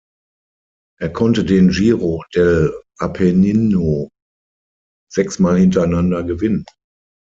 Er konnte den Giro dell'Appennino sechsmal hintereinander gewinnen.